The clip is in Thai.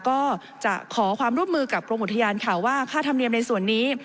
ก็จะขอความร่วมมือกับกรมอุทยานค่ะว่าค่าธรรมเนียมในส่วนนี้